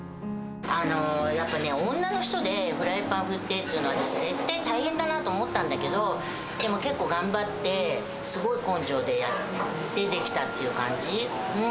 やっぱね、女の人でフライパン振ってっていうのは、私、絶対大変だなと思ったんだけど、でも結構、頑張って、すごい根性でやってできたっていう感じ。